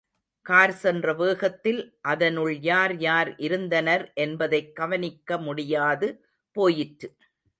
கார்சென்ற வேகத்தில் அதனுள் யார் யார் இருந்தனர் என்பதைக் கவனிக்கமுடியாது போயிற்று.